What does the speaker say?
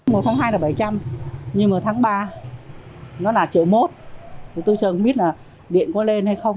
một tháng hai là bảy trăm linh nhưng mà tháng ba nó là chữ một tôi chẳng biết là điện có lên hay không